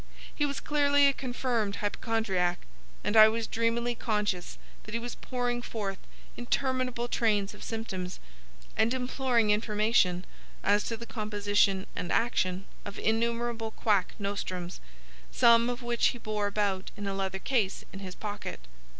He was clearly a confirmed hypochondriac, and I was dreamily conscious that he was pouring forth interminable trains of symptoms, and imploring information as to the composition and action of innumerable quack nostrums, some of which he bore about in a leather case in his pocket.